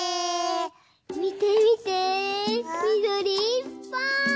みてみてみどりいっぱい！